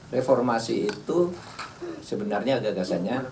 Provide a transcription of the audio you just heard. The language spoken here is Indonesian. reformasi itu sebenarnya agak agaknya